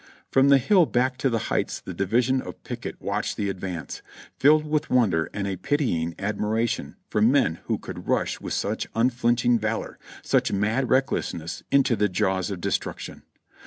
From the hill back of the heights the division of Pickett watched the advance, filled with wonder and a pitying admiration for men who could rush with such unflinching valor, such mad recklessness into the jaws of destruction.